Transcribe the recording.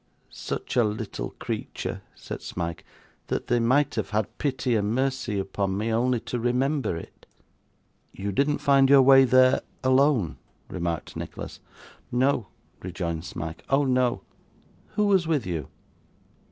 'Such a little creature,' said Smike, 'that they might have had pity and mercy upon me, only to remember it.' 'You didn't find your way there, alone!' remarked Nicholas. 'No,' rejoined Smike, 'oh no.' 'Who was with you?